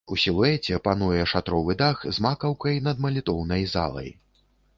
У сілуэце пануе шатровы дах з макаўкай над малітоўнай залай.